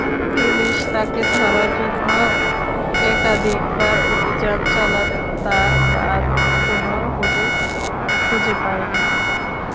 Police তাঁকে ধরার জন্য একাধিকবার অভিযান চালালেও তাঁর কোনো হদিস খুঁজে পায়নি।